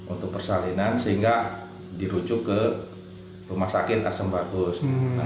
untuk persalinan sehingga dirujuk ke rumah sakit asem bagus